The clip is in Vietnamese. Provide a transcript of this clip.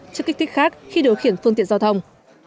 chất kích thích khác khi điều khiển phương tiện giao thông